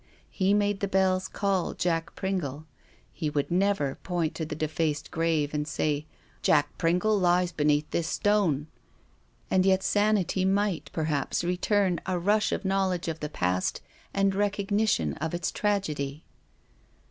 He made the bells call Jack Pringle. He would never point to the defaced grave and say, " Jack Pringle lies beneath this stone." And yet sanity might, perhaps, return, a rush of knowledge of the past and recognition of its tragedy.